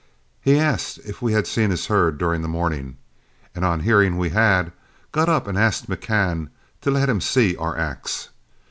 He asked if we had seen his herd during the morning, and on hearing we had, got up and asked McCann to let him see our axe.